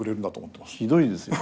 ひどいですよね。